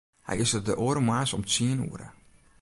Hy is der de oare moarns om tsien oere.